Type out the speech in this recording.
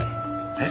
えっ？